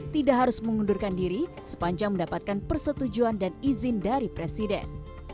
tidak harus mengundurkan diri sepanjang mendapatkan persetujuan dan izin dari presiden